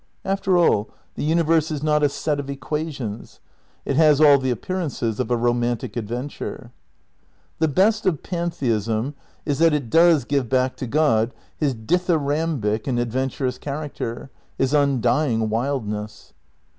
After all, the universe is not a set of equations. It has all the appearances of a romantic adventure. The best of Pantheism is that it does give back to God his dithyrambic and adventurous character, his im dying wHdness.